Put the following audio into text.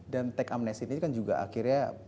dan teg amnes ini kan juga akhirnya